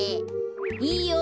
いいよ。